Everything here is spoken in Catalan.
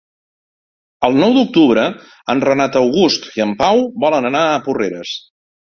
El nou d'octubre en Renat August i en Pau volen anar a Porreres.